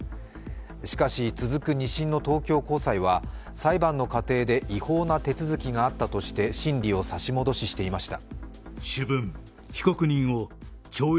しかし、続く２審の東京高裁は裁判の過程で違法な手続きがあったとして審理を差し戻ししていました。